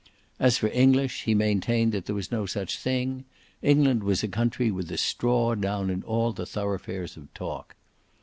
As for English he maintained that there was no such thing: England was a country with the straw down in all the thoroughfares of talk.